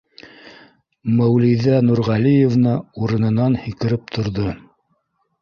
— Мәүлиҙә Нурғәлиевна урынынан һикереп торҙо.